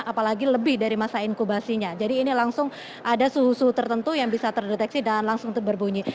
apalagi lebih dari masa inkubasinya jadi ini langsung ada suhu suhu tertentu yang bisa terdeteksi dan langsung berbunyi